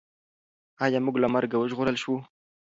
ایا موږ له مرګه وژغورل شوو؟